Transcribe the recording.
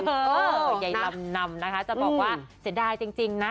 ยายลำนำนะคะจะบอกว่าเสียดายจริงนะ